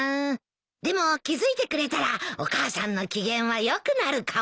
でも気付いてくれたらお母さんの機嫌は良くなるかも。